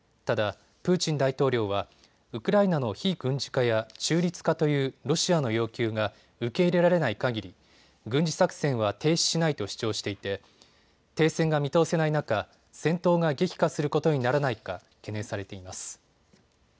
ただ、プーチン大統領はウクライナの非軍事化や中立化というロシアの要求が受け入れられないかぎり軍事作戦は停止しないと主張していて停戦が見通せない中、戦闘が激化することにならないか懸念されています。